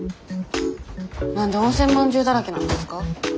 何で温泉まんじゅうだらけなんですか？